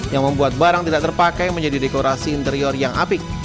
yang membuat barang tidak terpakai menjadi dekorasi interior yang apik